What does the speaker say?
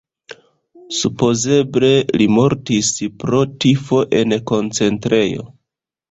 Supozeble li mortis pro tifo en koncentrejo.